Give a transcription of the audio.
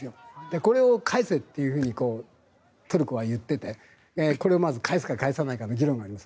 これを返せというふうにトルコは言っていてこれをまず返すか返さないかの議論があります。